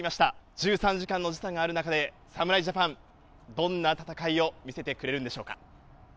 １３時間の時差がある中で、侍ジャパン、どんな戦いを見せてくれるんでしょうか。